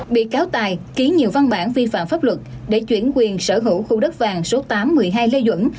bị cáo tài ký nhiều văn bản vi phạm pháp luật để chuyển quyền sở hữu khu đất vàng số tám một mươi hai lê duẩn